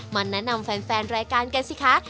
มาแนะนำแฟนรายการกันสิคะ